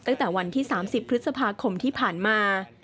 ตั้งแต่วันที่๓๐พฤษภาคมที่ผ่านมา